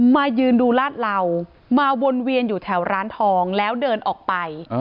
มายืนดูลาดเหล่ามาวนเวียนอยู่แถวร้านทองแล้วเดินออกไป